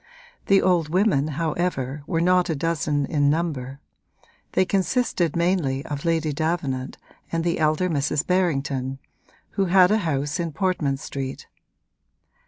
The old women however were not a dozen in number; they consisted mainly of Lady Davenant and the elder Mrs. Berrington, who had a house in Portman Street.